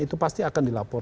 itu pasti akan dilapor